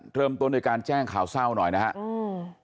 เริ่มต้นด้วยการแจ้งข่าวเศร้าหน่อยนะครับ